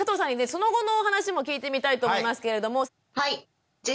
その後のお話も聞いてみたいと思いますけれども。